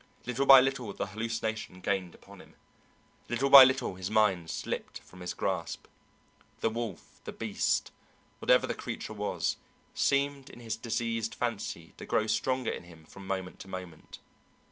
Little by little the hallucination gained upon him; little by little his mind slipped from his grasp. The wolf the beast whatever the creature was, seemed in his diseased fancy to grow stronger in him from moment to moment.